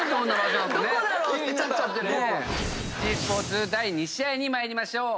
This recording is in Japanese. ｇスポーツ第２試合に参りましょう。